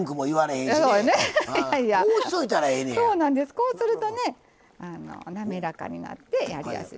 こうするとね滑らかになってやりやすい。